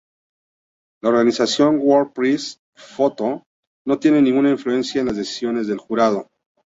La organización World Press Photo no tiene ninguna influencia en las decisiones del jurado.